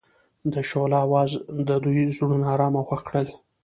د شعله اواز د دوی زړونه ارامه او خوښ کړل.